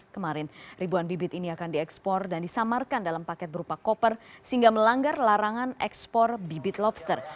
kemarin ribuan bibit ini akan diekspor dan disamarkan dalam paket berupa koper sehingga melanggar larangan ekspor bibit lobster